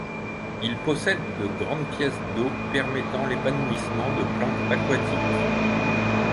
Il possède de grandes pièces d'eau permettant l'épanouissement de plantes aquatiques.